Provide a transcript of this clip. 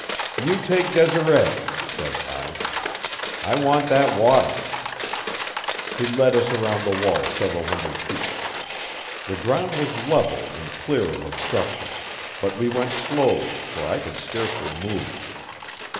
"You take Desiree," said I. "I want that water." He led us around the wall several hundred feet. The ground was level and clear of obstruction; but we went slowly, for I could scarcely move.